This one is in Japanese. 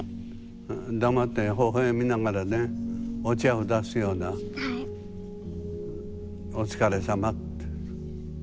黙ってほほえみながらねお茶を出すようなお疲れさまって。